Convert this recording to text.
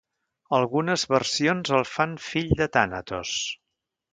Algunes versions el fan fill de Tànatos.